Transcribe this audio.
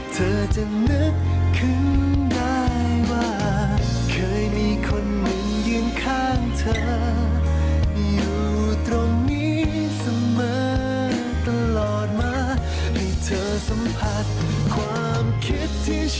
สแตมก็จะมีเหตุผลครับ